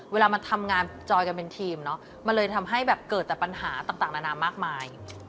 เวลามันทำงานจอยกันเป็นทีมเนอะมันเลยทำให้แบบเกิดแต่ปัญหาต่างนานามากมาย